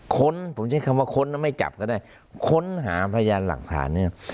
ค้นผมใช้คำว่าค้นแล้วไม่จับก็ได้ค้นหาพยานหลักฐานเนี่ย